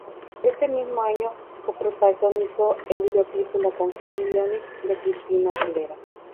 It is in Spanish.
Este mismo año, coprotagonizó el videoclip de la canción "Bionic" de Christina Aguilera.